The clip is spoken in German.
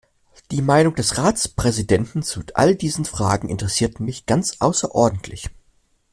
Die Meinung des Ratspräsidenten zu all diesen Fragen interessiert mich ganz außerordentlich.